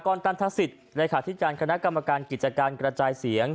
ก่อนการทรัศจิตอีกหลายขาดที่การคณะกรรมการกิจการกระจายเสียง